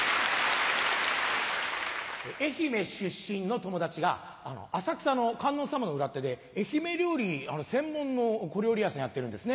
愛媛出身の友達が浅草の観音様の裏手で愛媛料理専門の小料理屋さんやってるんですね。